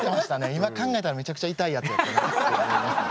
今考えたらめちゃくちゃ痛いやつやったなって思いますね。